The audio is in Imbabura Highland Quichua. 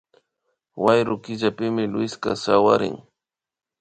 Wayru killapimi Luiska sawarin